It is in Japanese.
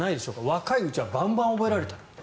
若いうちはばんばん覚えられた。